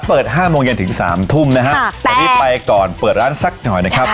เปิดห้าโมงเย็นถึงสามทุ่มนะฮะวันนี้ไปก่อนเปิดร้านสักหน่อยนะครับ